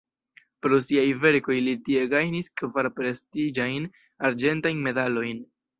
Pro siaj verkoj li tie gajnis kvar prestiĝajn arĝentajn medalojn.